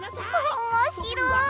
おもしろい！